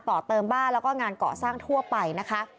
ต่อเติมบ้านแล้วก็งานเกาะสร้างทั่วไปนะคะ